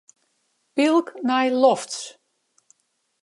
Pylk nei lofts.